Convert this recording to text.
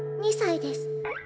２才です。